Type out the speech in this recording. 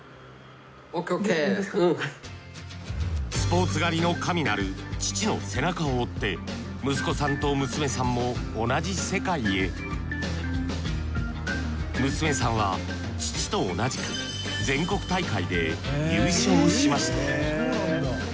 スポーツ刈りの神なる父の背中を追って息子さんと娘さんも同じ世界へ娘さんは父と同じく全国大会で優勝しました。